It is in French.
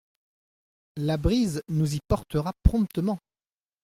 La brise nous y portera promptement.